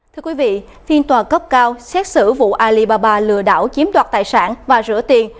thưa quý vị phiên tòa cấp cao xét xử vụ alibaba lừa đảo chiếm đoạt tài sản và rửa tiền